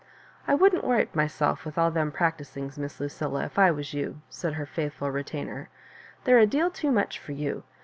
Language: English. "I wouldn^t worrit myself with all them prac tisings, Miss Lucilla, if I was you," said her faithful retainer. *' They're a deal too much for you.